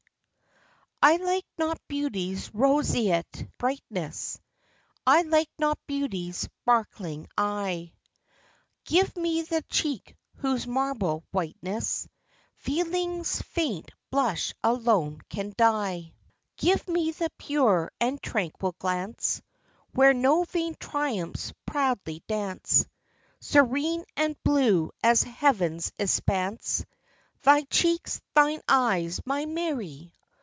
T LIKE not beauty's roseate brightness ; I like not beauty's sparkling eye : Give me the cheek whose marble whiteness Feeling's faint blush alone can dye; 194 FROM QUEENS' GARDENS. Give me the pure and tranquil glance Where no vain triumphs proudly dance, Serene and blue as heaven's expanse :— Thy cheeks, thine eyes, my Mary